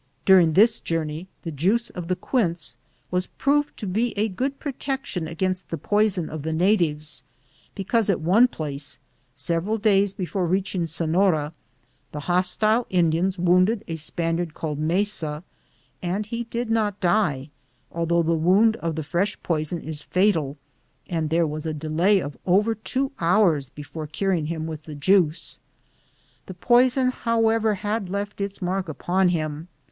During this journey the juice of the quince was proved to be a good protec tion against the poison of the natives, be cause at one place, several days before reach ing Sefiora, the hostile Indians wounded a Spaniard called Mesa, and he did not die, although the wound of the fresh poison is fatal, and there was a delay of over two hours before curing him with the juice. The poison, however, had left its mark upon him.